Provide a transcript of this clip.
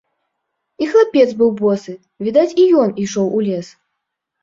І хлапец быў босы, відаць, і ён ішоў у лес.